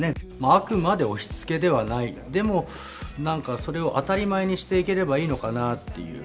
あくまで押しつけではない、でも、なんかそれを当たり前にしていければいいのかなっていう。